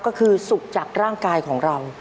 ก็คือสุขจากร่างกายของเรา